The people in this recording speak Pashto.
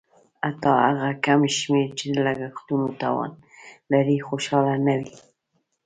حتی هغه کم شمېر چې د لګښتونو توان لري خوشاله نه وي.